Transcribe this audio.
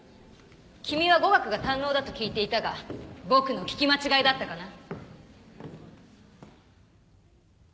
君は語学が堪能だと聞いていたが僕の聞き間違いだったかな？